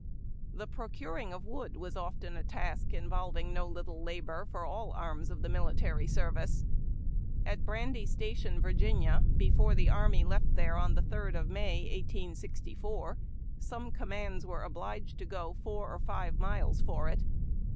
The procuring of wood was often a task involving no little labor for all arras of the militar} service. At Brandy Station, Virginia, before the army left there on the 3d of May, 1864, some commands were obliged to go four or five miles for it.